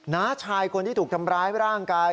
น้าชายคนที่ถูกทำร้ายร่างกาย